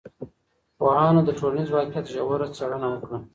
پوهانو د ټولنیز واقعیت ژوره څېړنه وکړه.